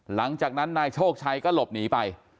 หลังจากนั้นนายโชคชัยก็หลบหนีไป